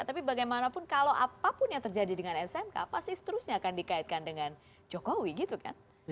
tapi bagaimanapun kalau apapun yang terjadi dengan smk pasti seterusnya akan dikaitkan dengan jokowi gitu kan